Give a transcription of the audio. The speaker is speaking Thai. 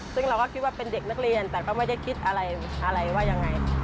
ซึ่งเราก็คิดว่าเป็นเด็กนักเรียนแต่ก็ไม่ได้คิดอะไรว่ายังไง